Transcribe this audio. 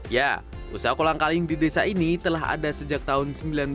ya usaha kolang kaling di desa ini telah ada sejak tahun seribu sembilan ratus sembilan puluh